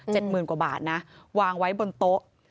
หมื่นกว่าบาทนะวางไว้บนโต๊ะ